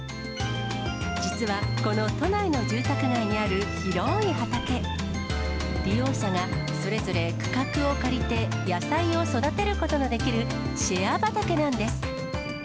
実はこの都内の住宅街にある広い畑、利用者がそれぞれ区画を借りて、野菜を育てることができるシェア畑なんです。